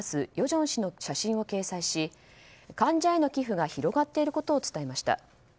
正氏の写真を掲載し患者への寄付が広がっていることを伝えました。